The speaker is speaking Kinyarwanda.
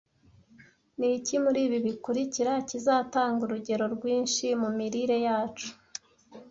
Niki muri ibi bikurikira kizatanga urugero rwinshi mumirire yacu,